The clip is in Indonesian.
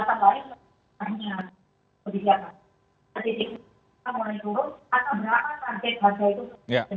dan kemudian akan ada perubahan kebijakan